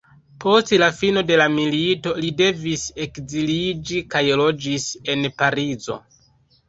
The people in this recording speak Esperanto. Post la fino de la milito li devis ekziliĝi kaj loĝis en Parizo.